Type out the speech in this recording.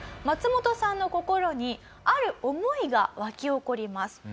マツモトさんの心にある思いが湧き起こります。